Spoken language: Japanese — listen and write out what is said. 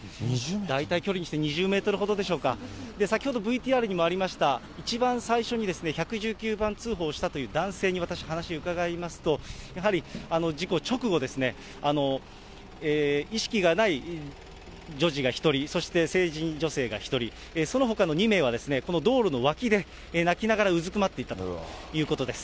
大体距離にして２０メートルほどでしょうか、先ほどＶＴＲにもありました、一番最初に１１９番通報したという男性に私、話伺いますと、やはり事故直後、意識がない女児が１人、そして成人女性が１人、そのほかの２名はこの道路の脇で、泣きながらうずくまっていたということです。